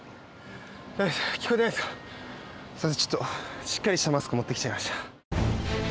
ちょっとしっかりしたマスク持ってきちゃいました。